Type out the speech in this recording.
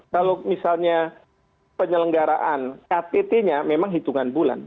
kalau misalnya penyelenggaraan ktt nya memang hitungan bulan